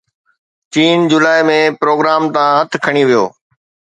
چين July ۾ programme تان هٿ کڻي ويو